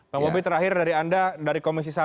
pak mobi terakhir dari anda dari komisi satu